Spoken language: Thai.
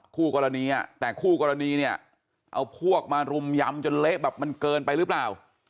คู่กรณีแต่คู่กรณีเนี่ยเอาพวกมารุมยำจนเละแบบมันเกินไปหรือเปล่า